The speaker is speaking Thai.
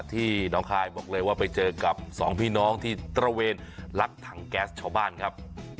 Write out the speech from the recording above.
ที่น้องคายบอกเลยว่าไปเจอกับสองพี่น้องที่ตระเวนลักถังแก๊สชาวบ้านครับ